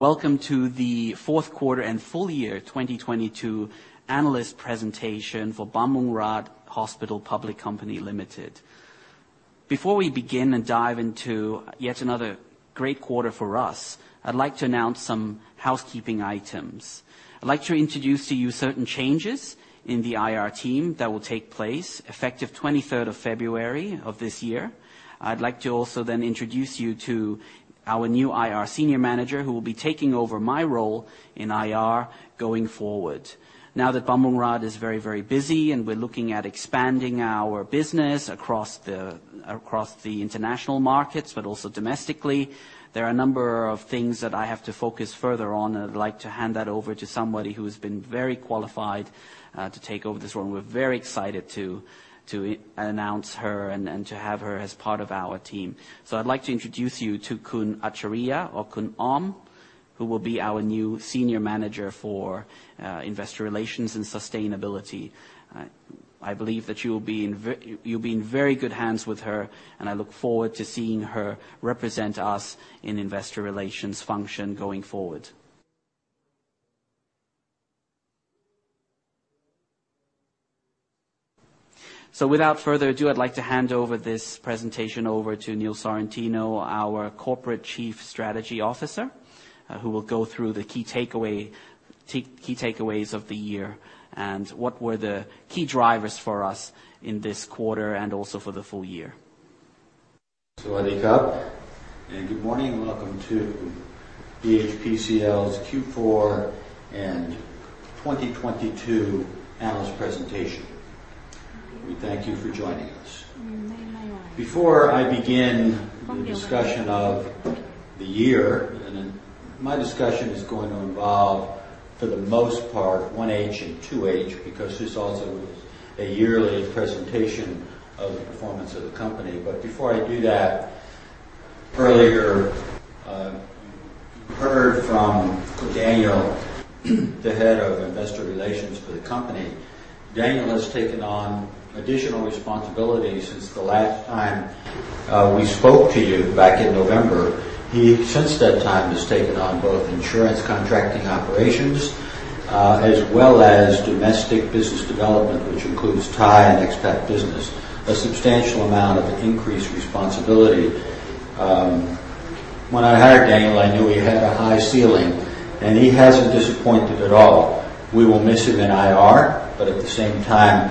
Welcome to the fourth quarter and full year 2022 analyst presentation for Bumrungrad Hospital Public Company Limited. Before we begin and dive into yet another great quarter for us, I'd like to announce some housekeeping items. I'd like to introduce to you certain changes in the IR team that will take place effective 23rd of February of this year. I'd like to also then introduce you to our new IR senior manager who will be taking over my role in IR going forward. Now that Bumrungrad is very, very busy, and we're looking at expanding our business across the international markets, but also domestically, there are a number of things that I have to focus further on. I'd like to hand that over to somebody who's been very qualified to take over this role. We're very excited to announce her and to have her as part of our team. I'd like to introduce you to Achariya Sanrattana or Khun Aom, who will be our new Senior Manager for investor relations and sustainability. I believe that you'll be in very good hands with her, and I look forward to seeing her represent us in investor relations function going forward. Without further ado, I'd like to hand over this presentation over to Aniello Sorrentino, our Corporate Chief Strategy Officer, who will go through the key takeaways of the year and what were the key drivers for us in this quarter and also for the full year. Good morning, welcome to BHPCL's Q4 and 2022 analyst presentation. We thank you for joining us. Before I begin the discussion of the year, my discussion is going to involve, for the most part, 1H and 2H because this also is a yearly presentation of the performance of the company. Before I do that, earlier, you heard from Daniel, the Head of Investor Relations for the company. Daniel has taken on additional responsibilities since the last time, we spoke to you back in November. He, since that time, has taken on both insurance contracting operations, as well as domestic business development, which includes Thai and expat business, a substantial amount of increased responsibility. When I hired Daniel, I knew he had a high ceiling, and he hasn't disappointed at all. We will miss him in IR, but at the same time,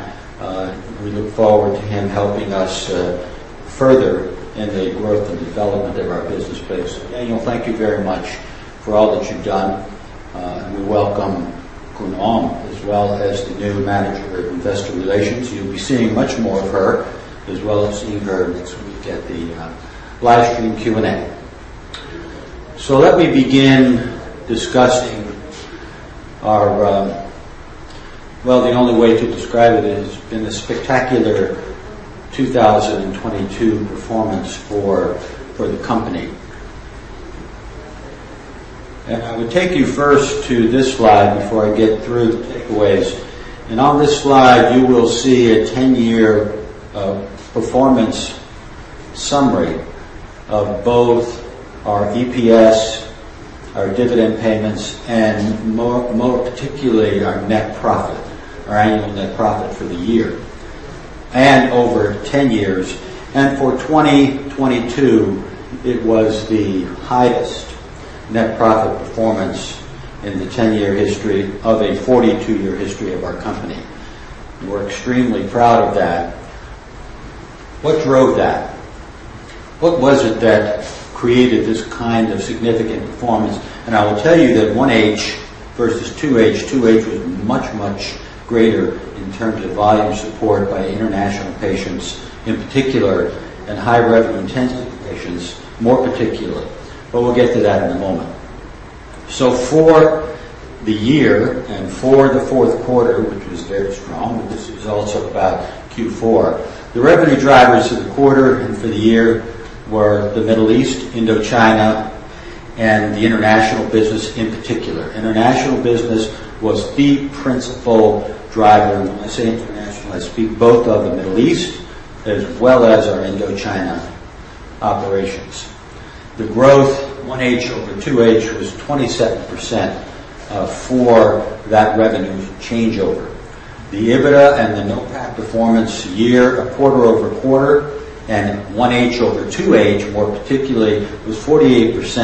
we look forward to him helping us further in the growth and development of our business base. Daniel, thank you very much for all that you've done, and we welcome Khun Aom as well as the new manager of investor relations. You'll be seeing much more of her as well as seeing her next week at the live stream Q&A. Let me begin discussing our... Well, the only way to describe it is been a spectacular 2022 performance for the company. I would take you first to this slide before I get through the takeaways. On this slide, you will see a 10-year performance summary of both our EPS, our dividend payments, and more particularly, our net profit, our annual net profit for the year and over 10 years. For 2022, it was the highest net profit performance in the 10-year history of a 42-year history of our company. We're extremely proud of that. What drove that? What was it that created this kind of significant performance? I will tell you that H1 vs. H2, two H was much, much greater in terms of volume support by international patients in particular and high revenue intensive patients, more particular. We'll get to that in a moment. For the year and for the fourth quarter, which was very strong, this is also about Q4, the revenue drivers for the quarter and for the year were the Middle East, Indochina, and the international business in particular. International business was the principal driver. When I say international, I speak both of the Middle East as well as our Indochina operations. The growth, 1H over 2H, was 27% for that revenue changeover. The EBITDA and the NOPAT performance year, quarter-over-quarter, and 1H over 2H, more particularly, was 48%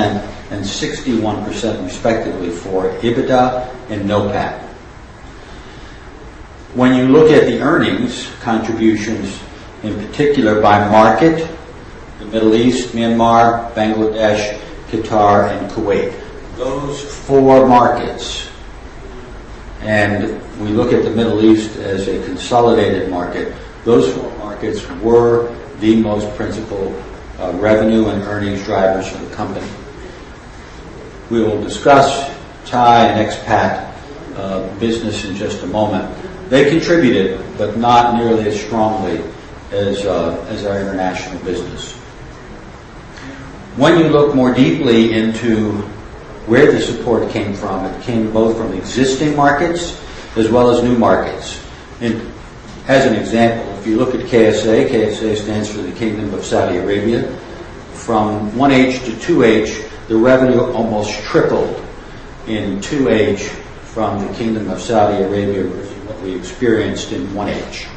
and 61% respectively for EBITDA and NOPAT. When you look at the earnings contributions, in particular by market, the Middle East, Myanmar, Bangladesh, Qatar, and Kuwait, those four markets, and we look at the Middle East as a consolidated market, those four markets were the most principal revenue and earnings drivers for the company. We will discuss Thai and expat business in just a moment. They contributed, but not nearly as strongly as our international business. When you look more deeply into where the support came from, it came both from existing markets as well as new markets. As an example, if you look at KSA stands for the Kingdom of Saudi Arabia. From H1 to H2, the revenue almost tripled in two H from the Kingdom of Saudi Arabia versus what we experienced in one H.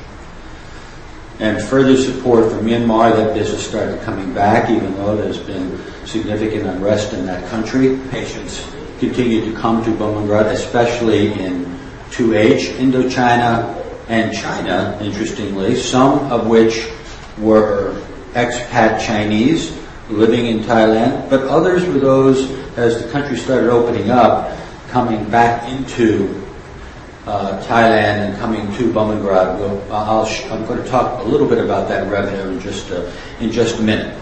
Further support from Myanmar, that business started coming back, even though there's been significant unrest in that country. Patients continued to come to Bumrungrad, especially in two H Indochina and China, interestingly, some of which were expat Chinese living in Thailand, others were those, as the country started opening up, coming back into Thailand and coming to Bumrungrad. I'm gonna talk a little bit about that revenue in just a minute.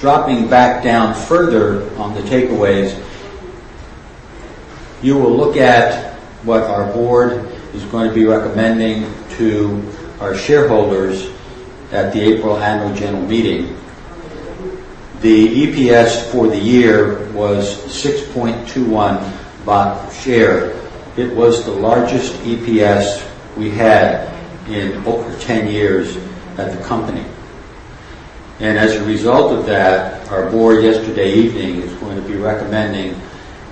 Dropping back down further on the takeaways, you will look at what our board is going to be recommending to our shareholders at the April annual general meeting. The EPS for the year was 6.21 baht per share. It was the largest EPS we had in over 10 years at the company. As a result of that, our board yesterday evening is going to be recommending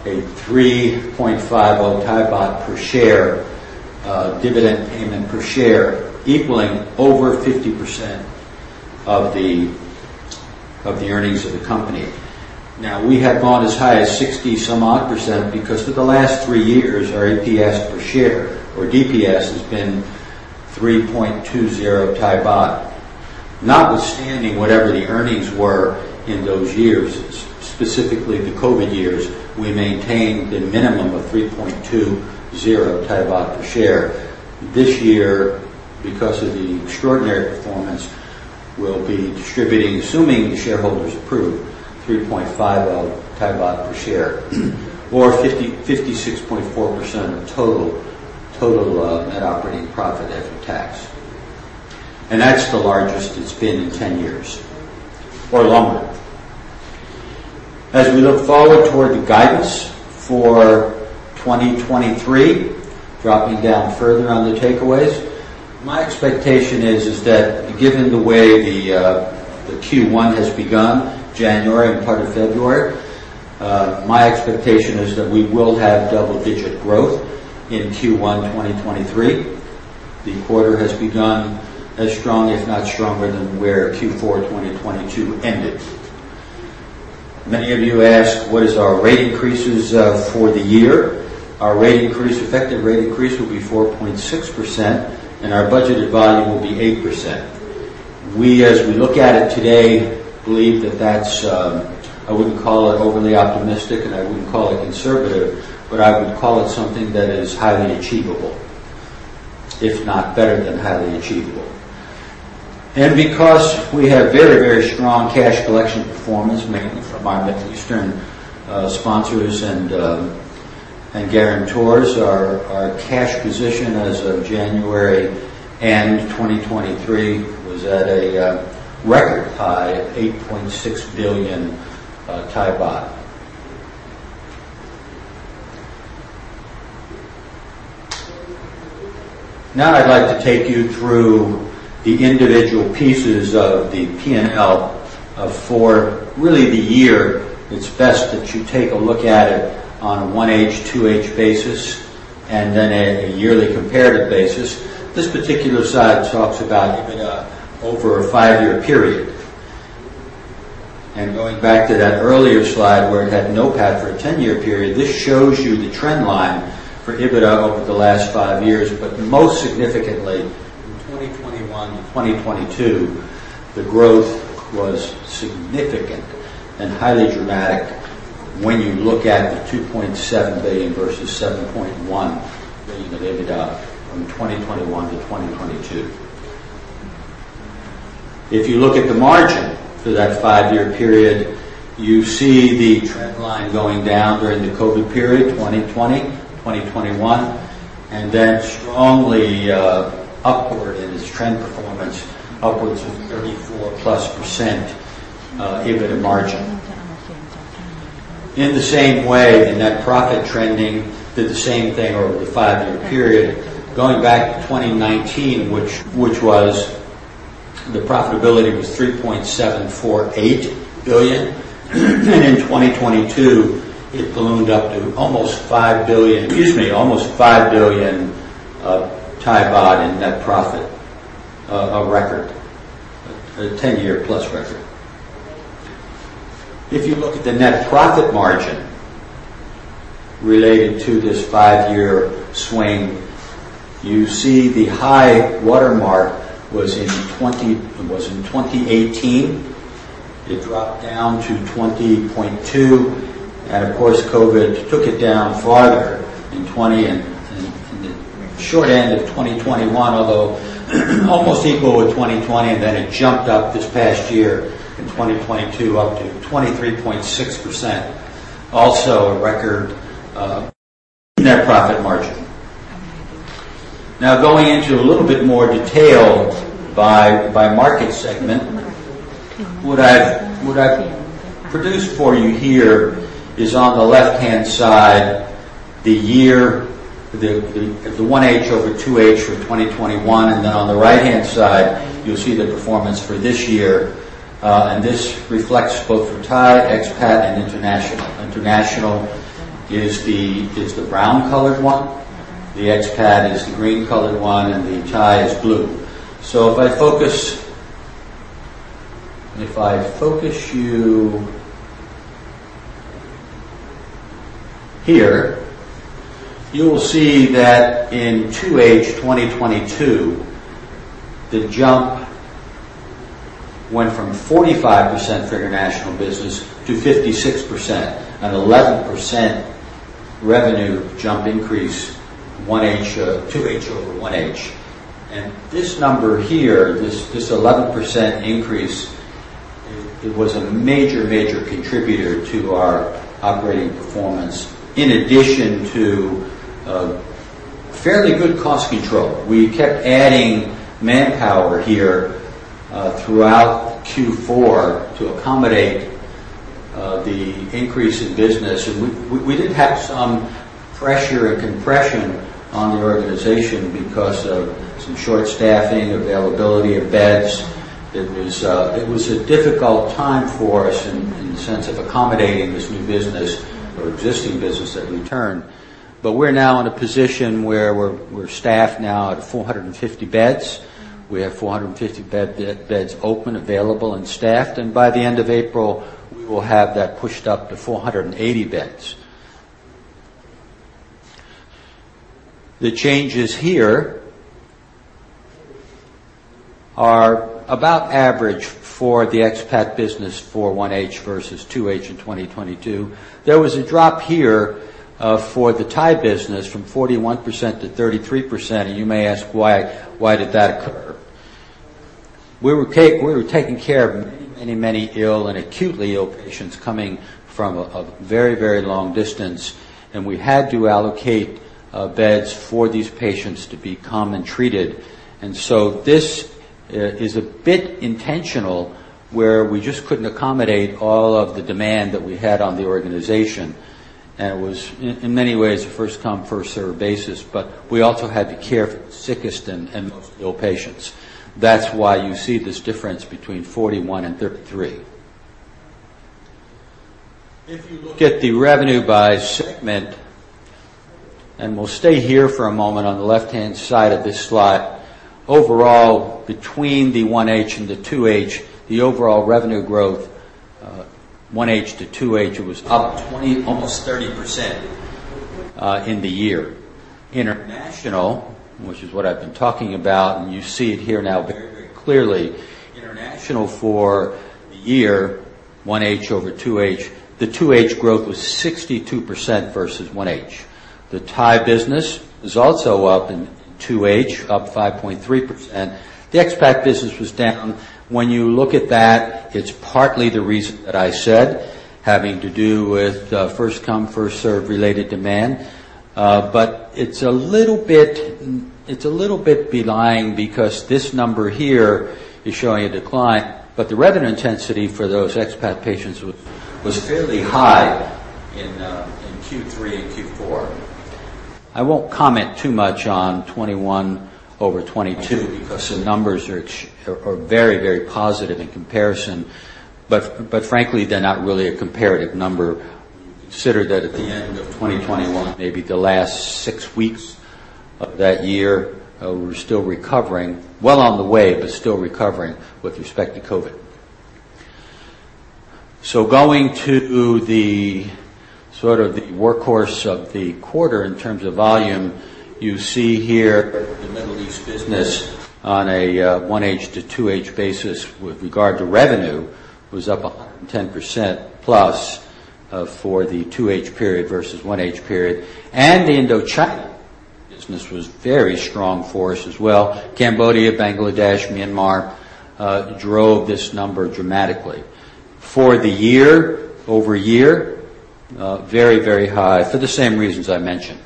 a 3.50 per share dividend payment per share, equaling over 50% of the earnings of the company. We have gone as high as 60% some odd because for the last 3 years, our EPS per share or DPS has been 3.20 baht. Notwithstanding whatever the earnings were in those years, specifically the COVID years, we maintained a minimum of 3.20 per share. This year, because of the extraordinary performance, we'll be distributing, assuming the shareholders approve, 3.50 per share or 56.4% of total net operating profit after tax. That's the largest it's been in 10 years or longer. As we look forward toward the guidance for 2023, dropping down further on the takeaways, my expectation is that given the way the Q1 has begun, January and part of February, my expectation is that we will have double-digit growth in Q1 2023. The quarter has begun as strong, if not stronger, than where Q4 2022 ended. Many of you ask, what is our rate increases for the year? Our rate increase, effective rate increase will be 4.6%, and our budgeted volume will be 8%. We, as we look at it today, believe that that's, I wouldn't call it overly optimistic, and I wouldn't call it conservative, but I would call it something that is highly achievable, if not better than highly achievable. Because we have very, very strong cash collection performance, mainly from our Middle Eastern sponsors and guarantors, our cash position as of January end 2023 was at a record high of THB 8.6 billion. Now I'd like to take you through the individual pieces of the P&L for really the year. It's best that you take a look at it on a 1H, 2H basis, and then a yearly comparative basis. This particular slide talks about EBITDA over a 5-year period. Going back to that earlier slide where it had NOPAT for a 10-year period, this shows you the trend line for EBITDA over the last 5 years. Most significantly, from 2021 to 2022, the growth was significant and highly dramatic when you look at 2.7 billion versus 7.1 billion in EBITDA from 2021 to 2022. If you look at the margin for that five-year period, you see the trend line going down during the COVID period, 2020, 2021, and then strongly upward in its trend performance, upwards of 34+% EBITDA margin. In the same way, the net profit trending did the same thing over the five-year period. Going back to 2019, which was the profitability was 3.748 billion. In 2022, it ballooned up to almost 5 billion in net profit, a record, a 10-year+ record. If you look at the net profit margin related to this five-year swing, you see the high watermark was in 2018. It dropped down to 20.2. Of course, COVID took it down farther in 2020 and, in the short end of 2021, although almost equal with 2020, then it jumped up this past year in 2022 up to 23.6%. Also a record net profit margin. Going into a little bit more detail by market segment. What I've produced for you here is on the left-hand side, the year, the 1H over 2H for 2021, then on the right-hand side, you'll see the performance for this year. This reflects both for Thai, expat, and international. International is the brown-colored one, the expat is the green-colored one, the Thai is blue. If I focus you here, you'll see that in 2H 2022, the jump went from 45% for international business to 56%, an 11% revenue jump increase 1H, 2H over 1H. This number here, this 11% increase, it was a major contributor to our operating performance in addition to fairly good cost control. We kept adding manpower here throughout Q4 to accommodate the increase in business. We did have some pressure and compression on the organization because of some short staffing, availability of beds. It was a difficult time for us in the sense of accommodating this new business or existing business that returned. We're now in a position where we're staffed now at 450 beds. We have 450 beds open, available, and staffed. By the end of April, we will have that pushed up to 480 beds. The changes here are about average for the expat business for 1H versus 2H in 2022. There was a drop here for the Thai business from 41% to 33%, and you may ask why did that occur? We were taking care of many ill and acutely ill patients coming from a very long distance, and we had to allocate beds for these patients to come and be treated. This is a bit intentional, where we just couldn't accommodate all of the demand that we had on the organization. It was in many ways a first come, first serve basis, but we also had to care for the sickest and most ill patients. That's why you see this difference between 41 and 33. If you look at the revenue by segment, and we'll stay here for a moment on the left-hand side of this slide. Overall, between the one H and the two H, the overall revenue growth, H1 to H2, it was up 20%, almost 30%, in the year. International, which is what I've been talking about, and you see it here now very, very clearly. International for the year, one H over two H, the two H growth was 62% versus one H. The Thai business is also up in 2H, up 5.3%. The expat business was down. When you look at that, it's partly the reason that I said having to do with first come, first serve related demand. It's a little bit belying because this number here is showing a decline, but the revenue intensity for those expat patients was fairly high in Q3 and Q4. I won't comment too much on 2021 over 2022 because the numbers are very, very positive in comparison. Frankly, they're not really a comparative number. Consider that at the end of 2021, maybe the last six weeks of that year, we're still recovering, well on the way, but still recovering with respect to COVID. Going to the sort of the workhorse of the quarter in terms of volume, you see here the Middle East business on a 1H to 2H basis with regard to revenue was up 110% plus for the 2H period versus 1H period. The Indochina business was very strong for us as well. Cambodia, Bangladesh, Myanmar drove this number dramatically. For the year-over-year, very, very high for the same reasons I mentioned.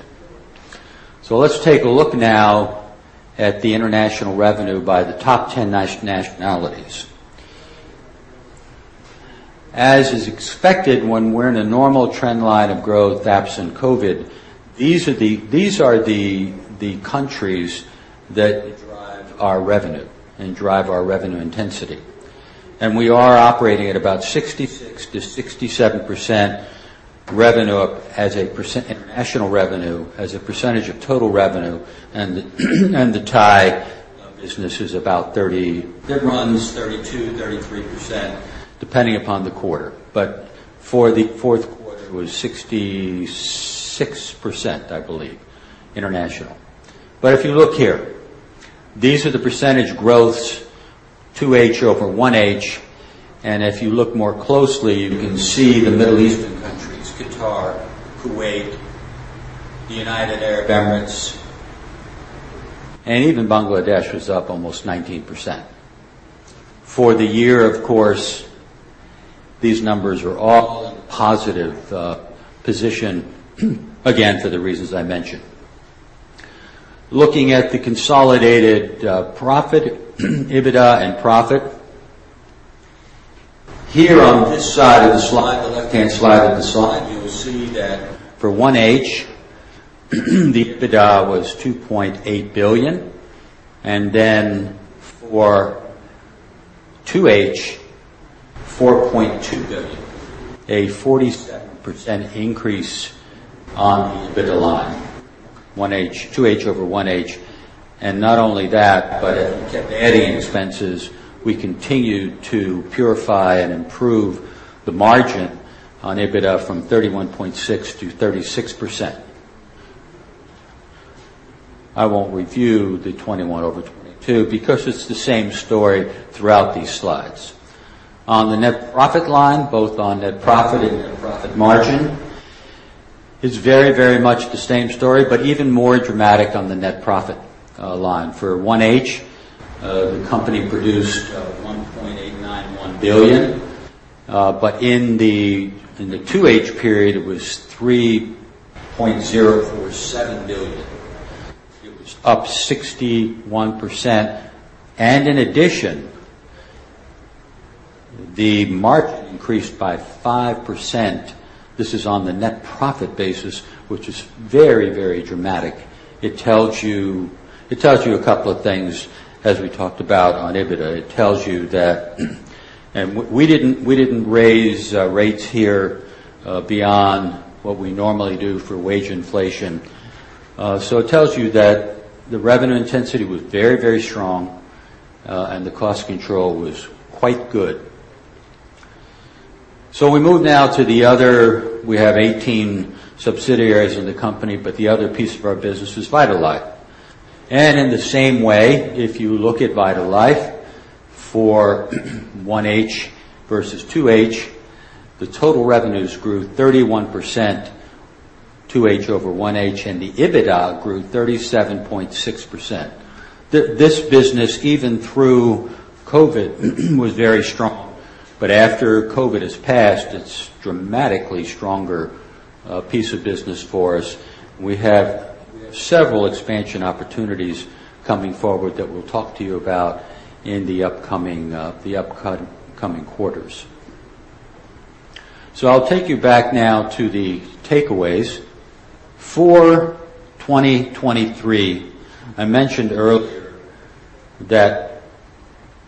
Let's take a look now at the international revenue by the top 10 nationalities. As is expected when we're in a normal trend line of growth absent COVID, these are the countries that drive our revenue and drive our revenue intensity. We are operating at about 66%-67% international revenue as a percentage of total revenue. The Thai business is about 32%-33%, depending upon the quarter. For the fourth quarter, it was 66%, I believe, international. If you look here, these are the percentage growths 2H over 1H. If you look more closely, you can see the Middle Eastern countries, Qatar, Kuwait, the United Arab Emirates, and even Bangladesh was up almost 19%. For the year, of course, these numbers are all in a positive position, again, for the reasons I mentioned. Looking at the consolidated profit, EBITDA and profit. Here on this side of the slide, the left-hand side of the slide, you will see that for 1H, the EBITDA was 2.8 billion. Then for 2H, 4.2 billion, a 47% increase on the EBITDA line, 1H, 2H over 1H. Not only that, but as we kept adding expenses, we continued to purify and improve the margin on EBITDA from 31.6% to 36%. I won't review the 2021 over 2022 because it's the same story throughout these slides. On the net profit line, both on net profit and net profit margin, it's very, very much the same story, but even more dramatic on the net profit line. For 1H, the company produced 1.891 billion. But in the 2H period, it was 3.047 billion. It was up 61%. In addition, the margin increased by 5%. This is on the net profit basis, which is very, very dramatic. It tells you a couple of things, as we talked about on EBITDA. It tells you that we didn't raise rates here beyond what we normally do for wage inflation. It tells you that the revenue intensity was very, very strong, and the cost control was quite good. We move now to the other. We have 18 subsidiaries in the company, but the other piece of our business is VitalLife. In the same way, if you look at VitalLife for 1H versus 2H, the total revenues grew 31%, 2H over 1H, and the EBITDA grew 37.6%. This business, even through COVID, was very strong. After COVID has passed, it's dramatically stronger, piece of business for us. We have several expansion opportunities coming forward that we'll talk to you about in the upcoming, the upcoming quarters. I'll take you back now to the takeaways. For 2023, I mentioned earlier that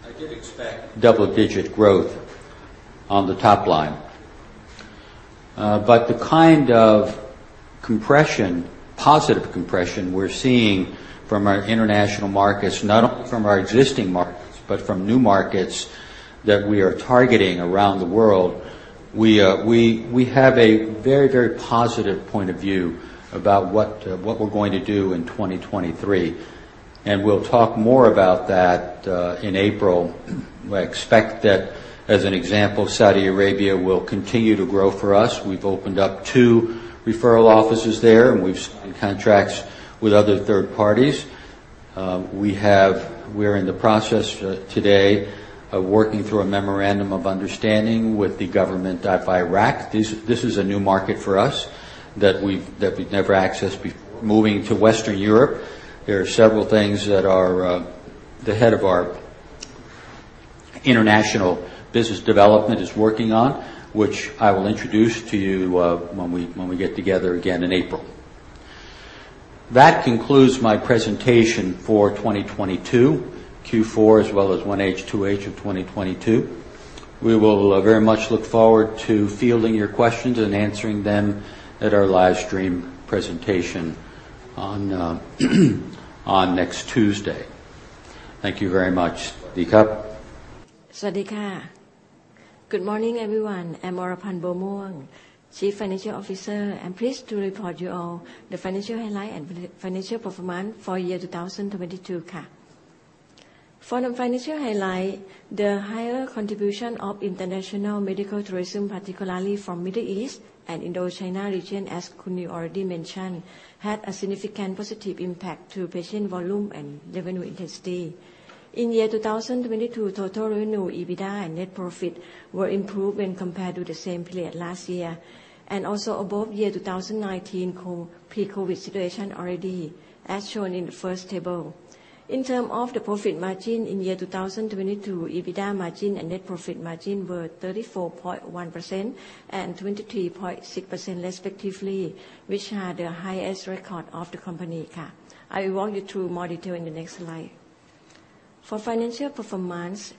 I did expect double-digit growth on the top line. But the kind of compression, positive compression we're seeing from our international markets, not only from our existing markets, but from new markets that we are targeting around the world, we have a very, very positive point of view about what we're going to do in 2023. We'll talk more about that in April. I expect that, as an example, Saudi Arabia will continue to grow for us. We've opened up 2 referral offices there, and we've signed contracts with other third parties. We're in the process today of working through a memorandum of understanding with the government of Iraq. This is a new market for us that we've never accessed before. Moving to Western Europe, there are several things that our the head of our international business development is working on, which I will introduce to you when we get together again in April. That concludes my presentation for 2022, Q4 as well as 1H, 2H of 2022. We will very much look forward to fielding your questions and answering them at our live stream presentation on next Tuesday. Thank you very much. Di Cup. Good morning, everyone. I'm Oraphan Buamuang, Chief Financial Officer. I'm pleased to report you all the financial highlight and financial performance for year 2022. For the financial highlight, the higher contribution of international medical tourism, particularly from Middle East and Indochina region, as Aniello already mentioned, had a significant positive impact to patient volume and revenue intensity. In year 2022, total revenue, EBITDA and net profit were improved when compared to the same period last year. Also above year 2019 pre-COVID situation already, as shown in the first table. In terms of the profit margin in year 2022, EBITDA margin and net profit margin were 34.1% and 23.6% respectively, which are the highest record of the company. I will walk you through more detail in the next slide. For financial performance,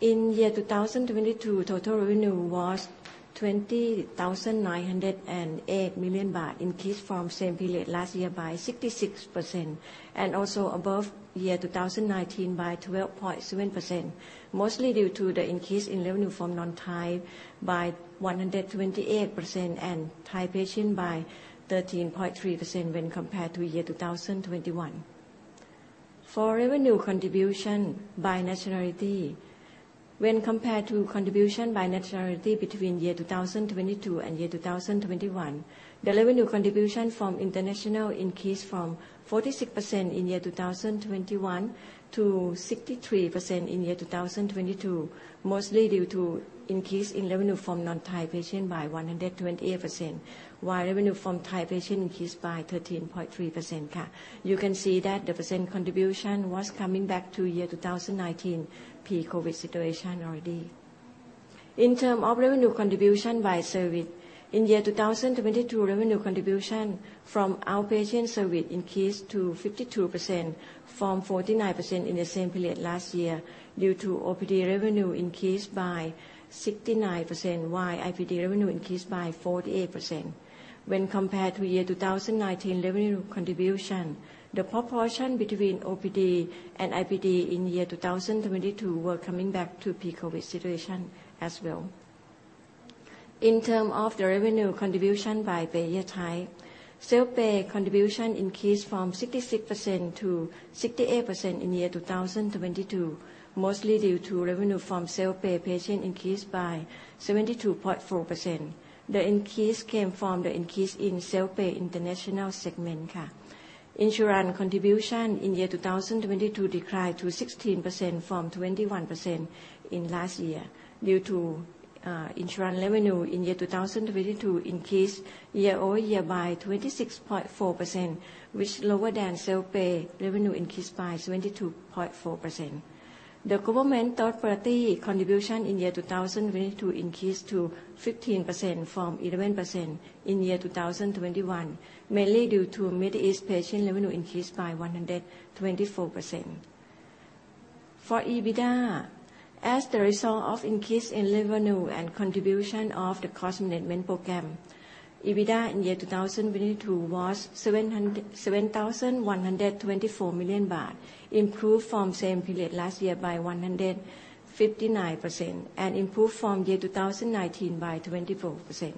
in 2022, total revenue was 20,908 million baht, increased from same period last year by 66%, also above 2019 by 12.7%. Mostly due to the increase in revenue from non-Thai by 128% and Thai patient by 13.3% when compared to 2021. For revenue contribution by nationality, when compared to contribution by nationality between 2022 and 2021, the revenue contribution from international increased from 46% in 2021 to 63% in 2022. Mostly due to increase in revenue from non-Thai patient by 128%, while revenue from Thai patient increased by 13.3%. You can see that the % contribution was coming back to year 2019 pre-COVID situation already. In terms of revenue contribution by service, in year 2022, revenue contribution from outpatient service increased to 52% from 49% in the same period last year due to OPD revenue increased by 69%, while IPD revenue increased by 48%. When compared to year 2019 revenue contribution, the proportion between OPD and IPD in year 2022 were coming back to pre-COVID situation as well. In terms of the revenue contribution by payer type, self-pay contribution increased from 66% to 68% in year 2022, mostly due to revenue from self-pay patient increased by 72.4%. The increase came from the increase in self-pay international segment. Insurance contribution in year 2022 declined to 16% from 21% in last year due to insurance revenue in year 2022 increased year-over-year by 26.4%, which lower than self-pay revenue increased by 72.4%. The government third party contribution in year 2022 increased to 15% from 11% in year 2021, mainly due to Middle East patient revenue increased by 124%. For EBITDA, as the result of increase in revenue and contribution of the cost management program, EBITDA in year 2022 was 7,124 million baht, improved from same period last year by 159% and improved from year 2019 by 24%.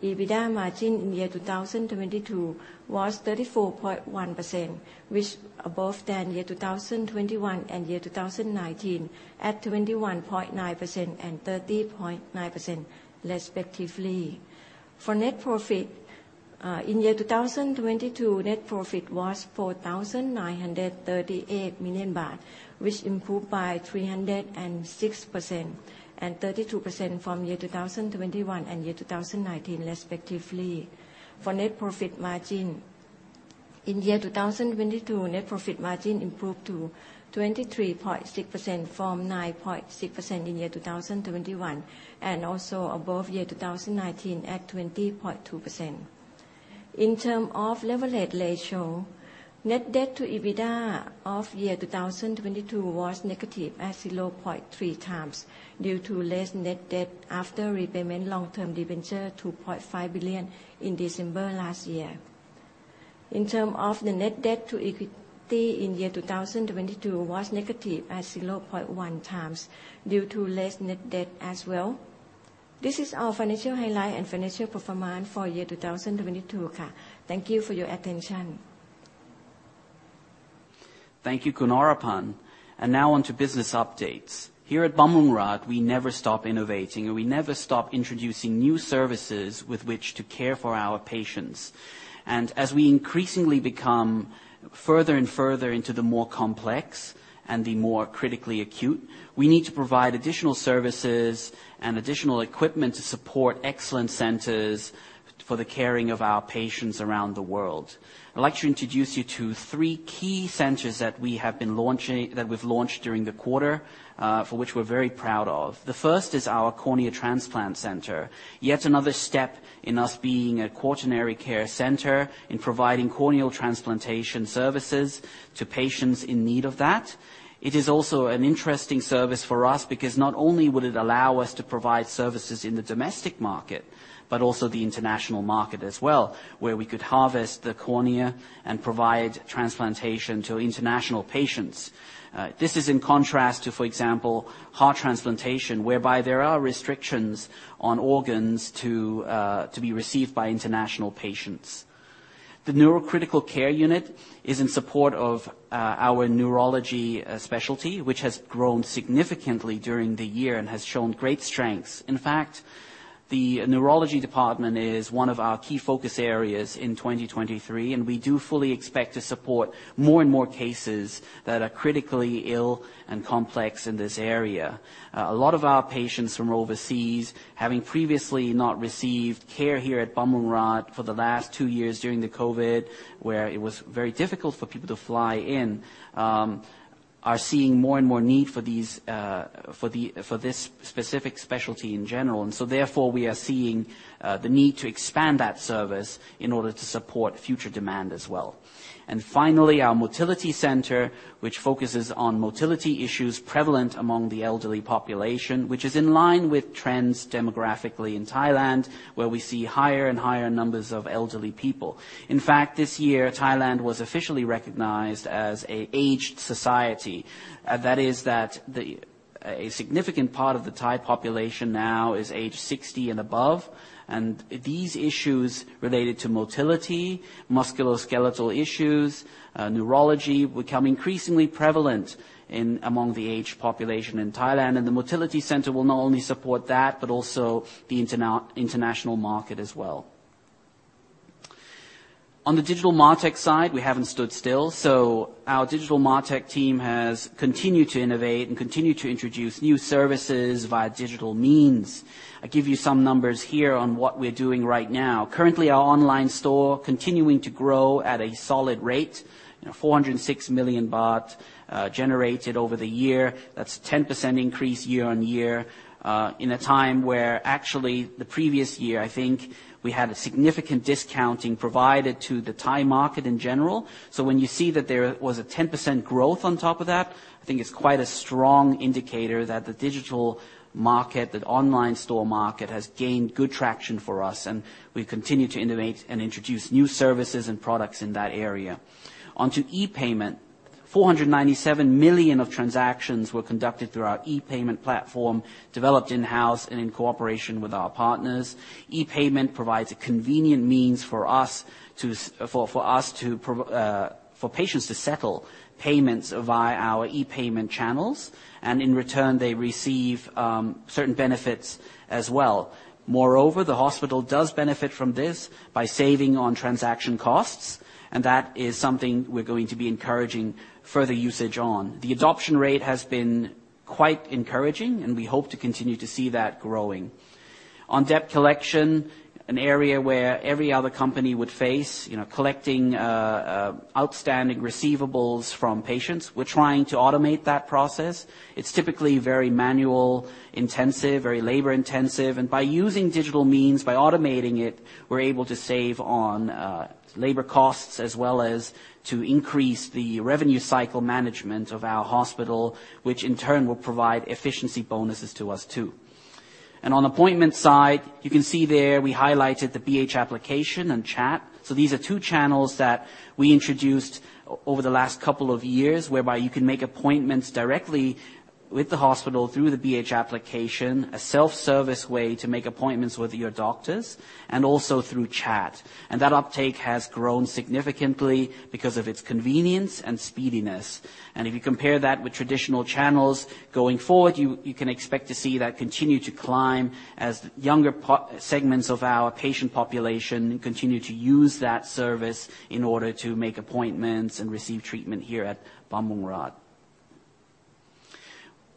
EBITDA margin in year 2022 was 34.1%, which above than year 2021 and year 2019 at 21.9% and 30.9% respectively. For net profit, in year 2022, net profit was 4,938 million baht, which improved by 306% and 32% from year 2021 and year 2019 respectively. For net profit margin, in year 2022, net profit margin improved to 23.6% from 9.6% in year 2021, and also above year 2019 at 20.2%. In terms of leverage ratio, Net Debt to EBITDA of year 2022 was negative at 0.3 times due to less net debt after repayment long-term debenture 2.5 billion in December 2021. In terms of the Net Debt to Equity in year 2022 was negative at 0.1 times due to less net debt as well. This is our financial highlight and financial performance for year 2022. Thank you for your attention. Thank you, Khun Oraphan. Now on to business updates. Here at Bumrungrad, we never stop innovating, and we never stop introducing new services with which to care for our patients. As we increasingly become further and further into the more complex and the more critically acute, we need to provide additional services and additional equipment to support excellent centers for the caring of our patients around the world. I'd like to introduce you to three key centers that we've launched during the quarter, for which we're very proud of. The first is our Cornea Transplant Center, yet another step in us being a quaternary care center in providing corneal transplantation services to patients in need of that. It is also an interesting service for us because not only would it allow us to provide services in the domestic market, but also the international market as well, where we could harvest the cornea and provide transplantation to international patients. This is in contrast to, for example, heart transplantation, whereby there are restrictions on organs to be received by international patients. The Neurocritical Care Unit is in support of our neurology specialty, which has grown significantly during the year and has shown great strengths. In fact, the neurology department is one of our key focus areas in 2023, and we do fully expect to support more and more cases that are critically ill and complex in this area. A lot of our patients from overseas, having previously not received care here at Bumrungrad for the last 2 years during the COVID, where it was very difficult for people to fly in, are seeing more and more need for this specific specialty in general. Therefore, we are seeing the need to expand that service in order to support future demand as well. Finally, our Motility Center, which focuses on motility issues prevalent among the elderly population, which is in line with trends demographically in Thailand, where we see higher and higher numbers of elderly people. In fact, this year Thailand was officially recognized as a aged society. That is that a significant part of the Thai population now is aged 60 and above. These issues related to motility, musculoskeletal issues, neurology become increasingly prevalent in among the aged population in Thailand. The Motility Center will not only support that, but also the international market as well. On the digital MarTech side, we haven't stood still. Our digital MarTech team has continued to innovate and continue to introduce new services via digital means. I give you some numbers here on what we're doing right now. Currently, our online store continuing to grow at a solid rate, you know, 406 million baht generated over the year. That's a 10% increase year-on-year, in a time where actually the previous year, I think, we had a significant discounting provided to the Thai market in general. When you see that there was a 10% growth on top of that, I think it's quite a strong indicator that the digital market, the online store market, has gained good traction for us, and we continue to innovate and introduce new services and products in that area. On to e-payment. 497 million of transactions were conducted through our e-payment platform, developed in-house and in cooperation with our partners. e-payment provides a convenient means for patients to settle payments via our e-payment channels, and in return, they receive certain benefits as well. Moreover, the hospital does benefit from this by saving on transaction costs, and that is something we're going to be encouraging further usage on. The adoption rate has been quite encouraging, and we hope to continue to see that growing. On debt collection, an area where every other company would face, you know, collecting outstanding receivables from patients. We're trying to automate that process. It's typically very manual intensive, very labor-intensive, and by using digital means, by automating it, we're able to save on labor costs as well as to increase the revenue cycle management of our hospital, which in turn will provide efficiency bonuses to us too. On appointment side, you can see there we highlighted the BH application and chat. These are two channels that we introduced over the last couple of years, whereby you can make appointments directly with the hospital through the BH application, a self-service way to make appointments with your doctors, and also through chat. That uptake has grown significantly because of its convenience and speediness. If you compare that with traditional channels, going forward, you can expect to see that continue to climb as younger segments of our patient population continue to use that service in order to make appointments and receive treatment here at Bumrungrad.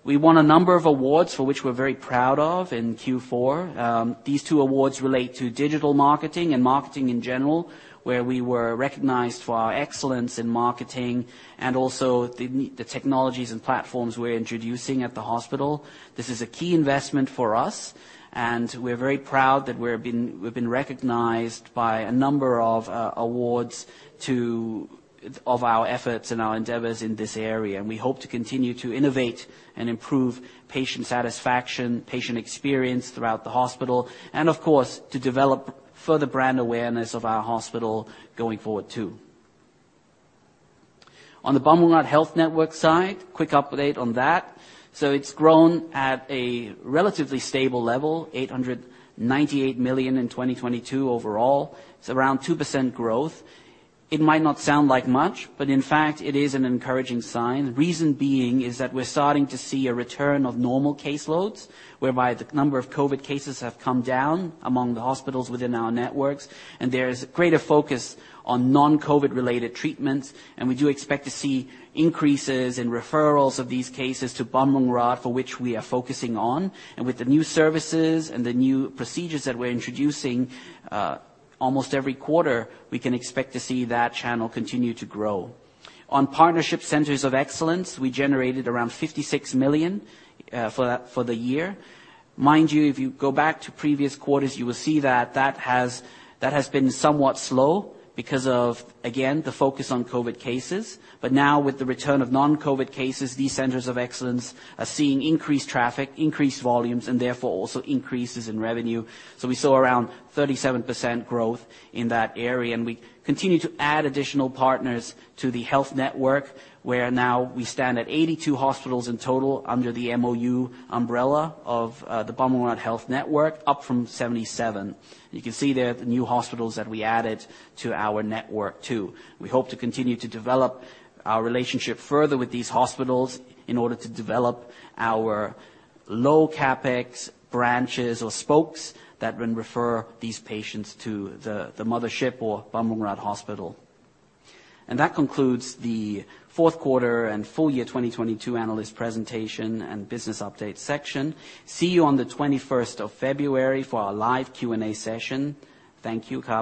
We won a number of awards for which we're very proud of in Q4. These two awards relate to digital marketing and marketing in general, where we were recognized for our excellence in marketing and also the technologies and platforms we're introducing at the hospital. This is a key investment for us, and we're very proud that we've been recognized by a number of awards of our efforts and our endeavors in this area. We hope to continue to innovate and improve patient satisfaction, patient experience throughout the hospital, and of course, to develop further brand awareness of our hospital going forward too. On the Bumrungrad Health Network side, quick update on that. It's grown at a relatively stable level, 898 million in 2022 overall. It's around 2% growth. It might not sound like much, but in fact, it is an encouraging sign. The reason being is that we're starting to see a return of normal caseloads, whereby the number of COVID cases have come down among the hospitals within our networks, and there is greater focus on non-COVID related treatments. We do expect to see increases in referrals of these cases to Bumrungrad, for which we are focusing on. With the new services and the new procedures that we're introducing, almost every quarter, we can expect to see that channel continue to grow. Partnership Centers of Excellence, we generated around 56 million for the year. Mind you, if you go back to previous quarters, you will see that that has been somewhat slow because of, again, the focus on COVID cases. Now with the return of non-COVID cases, these centers of excellence are seeing increased traffic, increased volumes, and therefore also increases in revenue. We saw around 37% growth in that area, and we continue to add additional partners to the health network, where now we stand at 82 hospitals in total under the MOU umbrella of the Bumrungrad Health Network, up from 77. You can see there the new hospitals that we added to our network too. We hope to continue to develop our relationship further with these hospitals in order to develop our low CapEx branches or spokes that would refer these patients to the mothership or Bumrungrad hospital. That concludes the fourth quarter and full year 2022 analyst presentation and business update section. See you on the 21st of February for our live Q&A session. Thank you, Kap.